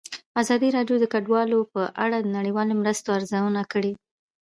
ازادي راډیو د کډوال په اړه د نړیوالو مرستو ارزونه کړې.